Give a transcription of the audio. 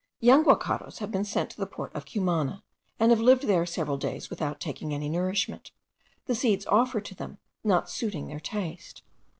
Young guacharos have been sent to the port of Cumana, and have lived there several days without taking any nourishment, the seeds offered to them not suiting their taste.